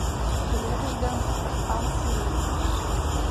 Пеледеш гын ал сирень